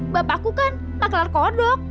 bapakku kan pakelar kodok